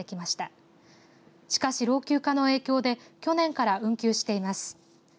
しかし、老朽化の影響で去年から運休しています。